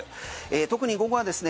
特に午後はですね